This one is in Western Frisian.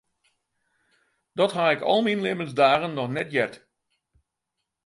Dat ha ik al myn libbensdagen noch net heard.